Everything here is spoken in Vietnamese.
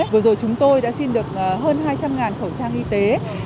vừa rồi chúng tôi đã xin được hơn hai trăm linh khẩu trang y tế